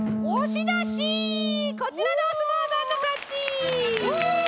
こちらのおすもうさんのかち！